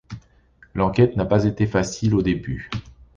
L'enquête n'a pas été facile au début.